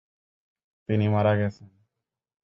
তিনি মারা গেছেন।